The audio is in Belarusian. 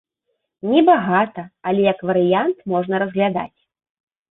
Небагата, але як варыянт можна разглядаць.